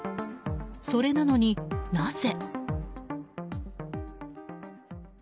それなのに、なぜ？